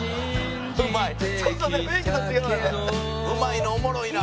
「うまいなおもろいな」